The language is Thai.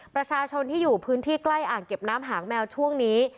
ประชาชนที่อยู่พื้นที่ใกล้อ่างเก็บน้ำหางแมวช่วงนี้